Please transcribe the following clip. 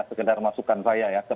sekedar masukan saya ya